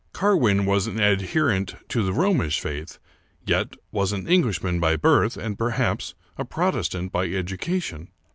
Carwin was an adherent to the Romish faith, yet was an Englishman by birth, and, perhaps, a Protestant by educa tion.